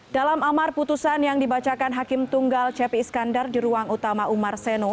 dalam amar putusan yang dibacakan hakim tunggal cepi iskandar di ruang utama umar seno